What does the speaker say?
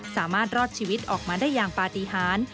สามารถรอดชีวิตออกมาได้อย่างปฏิหาร